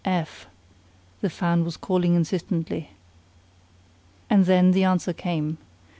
"F F F," the fan was calling insistently. And then the answer came.